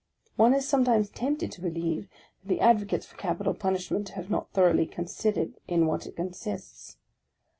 One is sometimes tempted to believe, that the advocates for capital punishment have not thoroughly considered in what it consists.